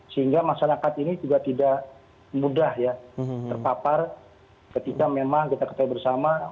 sehingga masyarakat ini juga tidak mudah ya terpapar ketika memang kita ketahui bersama